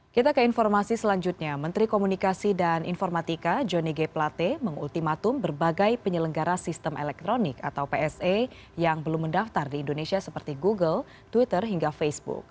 kita ke informasi selanjutnya menteri komunikasi dan informatika johnny g plate mengultimatum berbagai penyelenggara sistem elektronik atau pse yang belum mendaftar di indonesia seperti google twitter hingga facebook